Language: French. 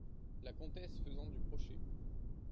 La Comtesse , faisant du crochet.